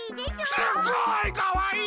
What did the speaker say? すごいかわいいね！